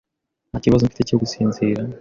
Nta kibazo mfite cyo gusinzira.